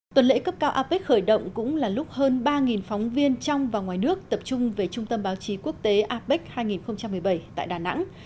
tuần lễ cấp cao apec khởi động cũng là lúc hơn ba phóng viên trong và ngoài nước tập trung về trung tâm báo chí quốc tế apec hai nghìn một mươi bảy tại đà nẵng